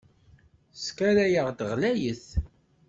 Teskaray-d ɣlayet.